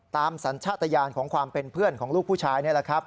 สัญชาติยานของความเป็นเพื่อนของลูกผู้ชายนี่แหละครับ